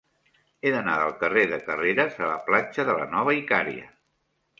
He d'anar del carrer de Carreras a la platja de la Nova Icària.